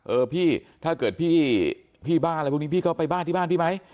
เออพี่ถ้าเกิดพี่บ้านอะไรพวกนี้พี่ก็ไปบ้านที่บ้านพี่ไหม